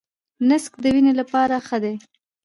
نسک د وینې لپاره ښه دي.